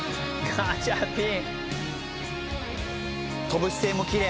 ガチャピン！